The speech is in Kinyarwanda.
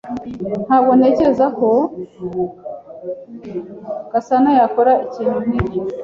Ntabwo ntekereza ko Gasanayakora ikintu nkicyo.